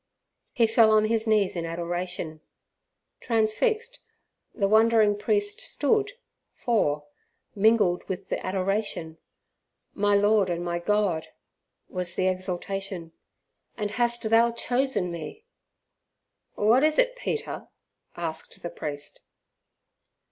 He fell on his knees in adoration. Transfixed, the wondering priest stood, for, mingled with the adoration, "My Lord and my God!" was the exaltation, "And hast Thou chosen me?" "What is it, Peter?" said the priest.